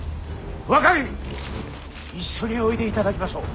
若君一緒においでいただきましょう。